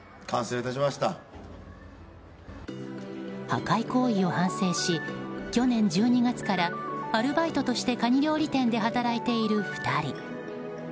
破壊行為を反省し去年１２月からアルバイトとしてカニ料理店で働いている２人。